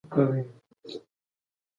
سوله سوکالي راوړي.